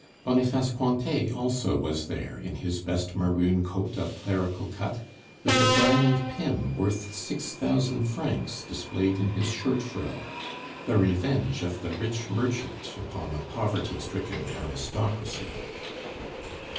Boniface Cointet also was there, in his best maroon coat of clerical cut, with a diamond pin worth six thousand francs displayed in his shirt frill the revenge of the rich merchant upon a poverty stricken aristocracy.